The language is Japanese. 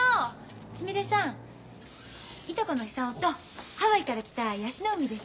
すみれさんいとこの久男とハワイから来た椰子の海です。